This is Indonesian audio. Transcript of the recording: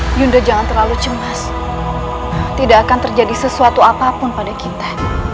hyunda jangan terlalu cemas tidak akan terjadi sesuatu apapun pada kita